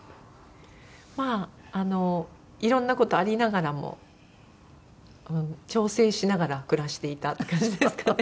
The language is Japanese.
まああのいろんな事ありながらも調整しながら暮らしていたって感じですかね。